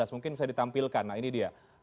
mungkin bisa ditampilkan nah ini dia